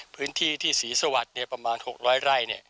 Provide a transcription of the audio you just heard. พื้นที่ที่ศรีสวัสดิ์ประมาณ๖๐๐ไร่